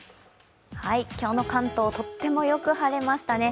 今日の関東、とってもよく晴れましたね。